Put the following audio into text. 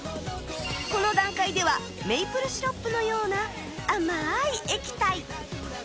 この段階ではメープルシロップのような甘い液体